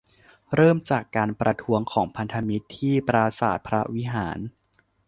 เริ่มจากการประท้วงของพันธมิตรที่ปราสาทพระวิหาร